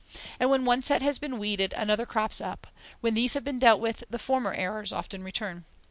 And when one set has been weeded, another crops up; when these have been dealt with, the former errors often return.